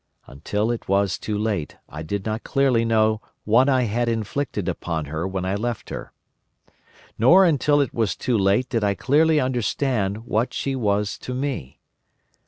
Until it was too late, I did not clearly know what I had inflicted upon her when I left her. Nor until it was too late did I clearly understand what she was to me.